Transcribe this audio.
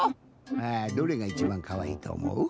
どれがいちばんかわいいとおもう？